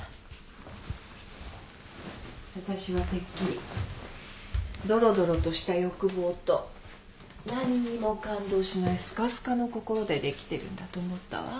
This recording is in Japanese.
わたしはてっきりドロドロとした欲望と何にも感動しないスカスカの心でできてるんだと思ったわあなた。